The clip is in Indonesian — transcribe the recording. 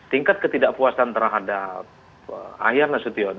tingkat ketidakpuasan terhadap ahyar nasution